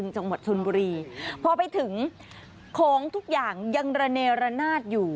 จังหวัดชนบุรีพอไปถึงของทุกอย่างยังระเนรนาศอยู่